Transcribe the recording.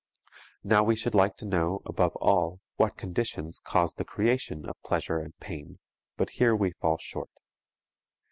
Now we should like to know, above all, what conditions cause the creation of pleasure and pain, but here we fall short.